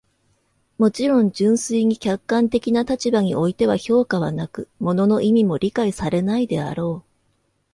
もちろん、純粋に客観的な立場においては評価はなく、物の意味も理解されないであろう。